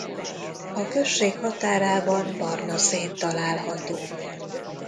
A község határában barnaszén található.